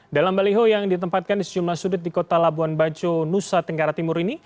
dalam baliho yang ditempatkan di sejumlah sudut di kota labuan bajo nusa tenggara timur ini